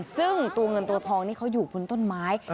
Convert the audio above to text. ซึ่งตัวเงินตัวทองนี่เขาอยู่บนต้นไม้